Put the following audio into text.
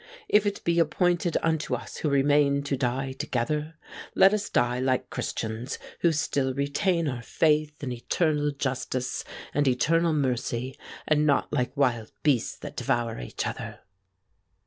If it be appointed unto us who remain to die together, let us die like Christians who still retain our faith in eternal justice and eternal mercy, and not like wild beasts that devour each other."